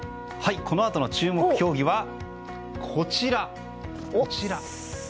このあとの注目競技はこちら。